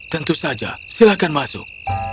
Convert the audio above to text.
tentu saja silahkan masuk